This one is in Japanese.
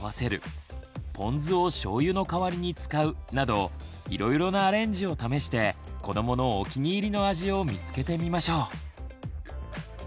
ポン酢をしょうゆの代わりに使うなどいろいろなアレンジを試して子どものお気に入りの味を見つけてみましょう。